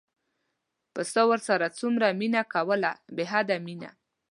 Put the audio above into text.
پسه ورسره څومره مینه کوله بې حده مینه.